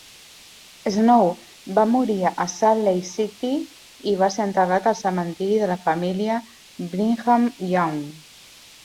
Snow va morir a Salt Lake City i va ser enterrat al cementiri de la família Brigham Young.